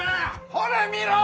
ほれ見ろ！